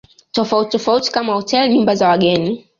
tofauti tofauti kama hoteli nyumba za wageni